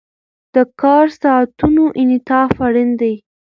د کار ساعتونو انعطاف اړین دی.